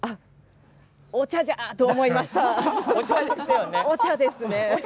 お茶じゃ！と思いました。